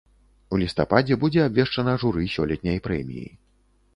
У лістападзе будзе абвешчана журы сёлетняй прэміі.